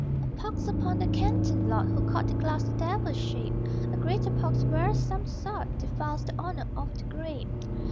A pox upon the canting lot Who call the glass the Devil's shape A greater pox where'er some sot Defiles the honor of the grape.